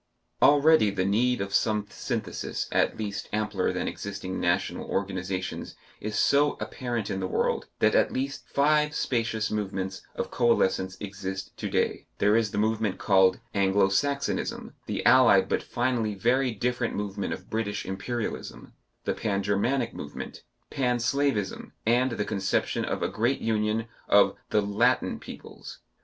Already the need of some synthesis at least ampler than existing national organizations is so apparent in the world, that at least five spacious movements of coalescence exist to day; there is the movement called Anglo Saxonism, the allied but finally very different movement of British Imperialism, the Pan Germanic movement, Pan Slavism, and the conception of a great union of the "Latin" peoples.